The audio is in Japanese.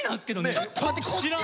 ちょっと待ってこっち！